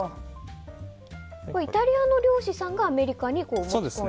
イタリアの漁師さんがアメリカに持ち込んだと。